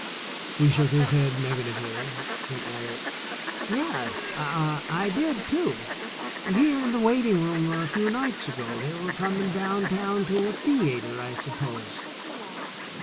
He shook his head negatively, then added: "Yes, I did, too; here in the waiting room a few nights ago. They were coming down town to a thea ter, I suppose."